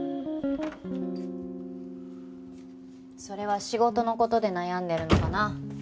それは仕事の事で悩んでるのかな？